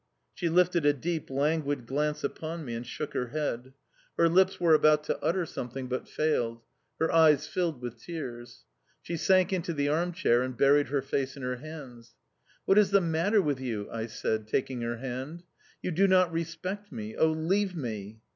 She lifted a deep, languid glance upon me and shook her head. Her lips were about to utter something, but failed; her eyes filled with tears; she sank into the arm chair and buried her face in her hands. "What is the matter with you?" I said, taking her hand. "You do not respect me!... Oh, leave me!"...